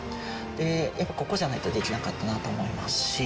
やっぱここじゃないとできなかったなと思いますし。